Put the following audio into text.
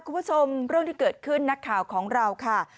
เรื่องที่เกิดขึ้นนักข่าวของเราค่ะ